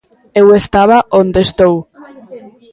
Eu estaba onde estou.